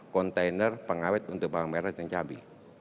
kontainer pengawet untuk bawang merah dan cabai